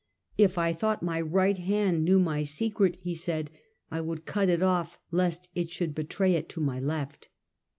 " If I thought my right hand knew my secret," he said, " I would cut it off lest it should betray it to my left."